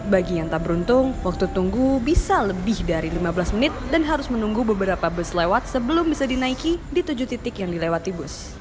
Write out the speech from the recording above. bagi yang tak beruntung waktu tunggu bisa lebih dari lima belas menit dan harus menunggu beberapa bus lewat sebelum bisa dinaiki di tujuh titik yang dilewati bus